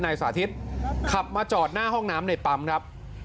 สาธิตขับมาจอดหน้าห้องน้ำในปั๊มครับ